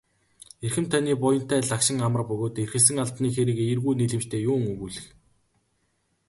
Эрхэм таны буянтай лагшин амар бөгөөд эрхэлсэн албаны хэрэг эергүү нийлэмжтэй юун өгүүлэх.